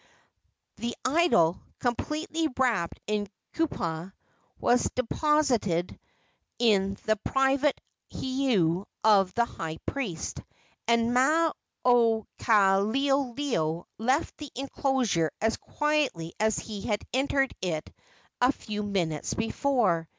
The idol, completely wrapped in kapa, was deposited in the private heiau of the high priest, and Maukaleoleo left the enclosure as quietly as he had entered it a few minutes before.